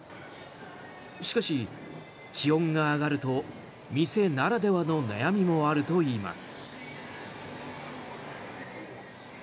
しかし、気温が上がると店ならではの悩みもあるといいます。